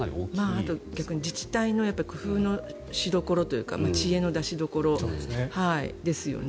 あと、自治体の工夫のしどころというか知恵の出しどころですよね。